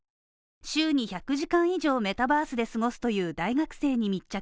週に１００時間以上をメタバースで過ごすという大学生に密着。